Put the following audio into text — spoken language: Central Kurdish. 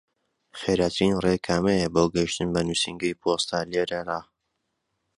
خێراترین ڕێ کامەیە بۆ گەیشتن بە نووسینگەی پۆستە لێرەڕا؟